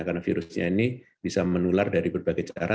karena virusnya ini bisa menular dari berbagai cara